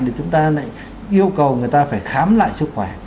thì chúng ta lại yêu cầu người ta phải khám lại sức khỏe